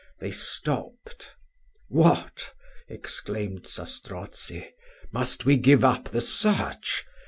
They stopped. "What!" exclaimed Zastrozzi, "must we give up the search!